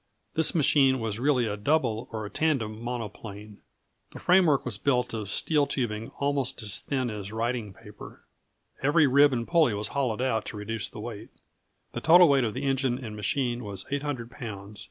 This machine was really a double, or tandem, monoplane. The framework was built of steel tubing almost as thin as writing paper. Every rib and pulley was hollowed out to reduce the weight. The total weight of the engine and machine was 800 lbs.